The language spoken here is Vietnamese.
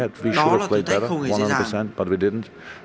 đó là thử thách không hề dễ dàng